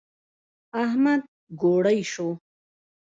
احمد ګوړۍ شو.